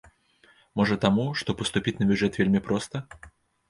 Можа таму, што паступіць на бюджэт вельмі проста?